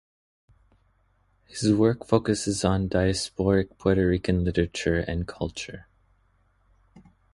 His work focuses on diasporic Puerto Rican literature and culture.